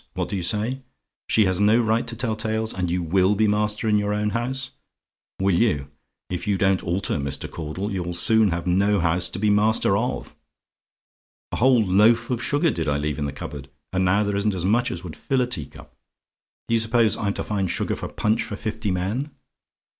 What do you say? "SHE HAS NO RIGHT TO TELL TALES, AND YOU WILL BE MASTER IN YOUR OWN HOUSE? "Will you? If you don't alter, Mr. Caudle, you'll soon have no house to be master of. A whole loaf of sugar did I leave in the cupboard, and now there isn't as much as would fill a teacup. Do you suppose I'm to find sugar for punch for fifty men?